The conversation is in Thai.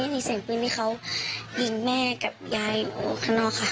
นี่สิงปีนี่เขายิงแม่กับยายข้างนอกค่ะ